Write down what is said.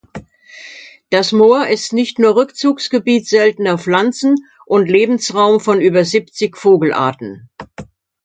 Das Moor ist nicht nur Rückzugsgebiet seltener Pflanzen und Lebensraum von über siebzig Vogelarten.